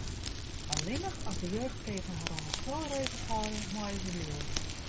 Allinnich as de jeugdketen har oan de spulregels hâlde, meie se bliuwe.